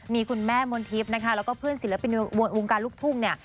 มีคุณแม่มนทิพย์นะคะแล้วก็เพื่อนศิลปินวงการลูกทุ่งเนี่ย